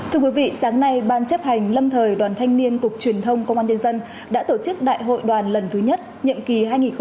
thưa quý vị sáng nay ban chấp hành lâm thời đoàn thanh niên cục truyền thông công an tiên dân đã tổ chức đại hội đoàn lần thứ nhất nhậm kỳ hai nghìn một mươi chín hai nghìn hai mươi hai